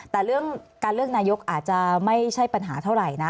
แต่เรื่องการเลือกนายกอาจจะไม่ใช่ปัญหาเท่าไหร่นะ